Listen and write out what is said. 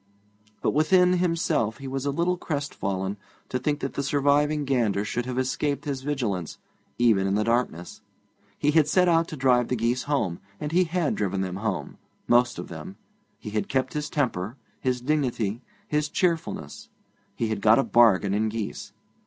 But within himself he was a little crest fallen to think that the surviving gander should have escaped his vigilance, even in the darkness. He had set out to drive the geese home, and he had driven them home, most of them. He had kept his temper, his dignity, his cheerfulness. He had got a bargain in geese.